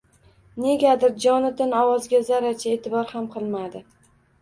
Negadir Jonatan ovozga zarracha e’tibor ham qilmadi.